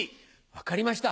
分かりました。